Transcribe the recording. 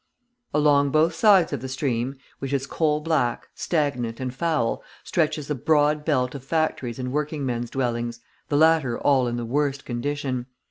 Along both sides of the stream, which is coal black, stagnant and foul, stretches a broad belt of factories and working men's dwellings, the latter all in the worst condition.